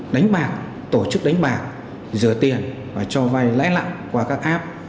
đánh bạc tổ chức đánh bạc dừa tiền và cho vay lãnh lặng qua các app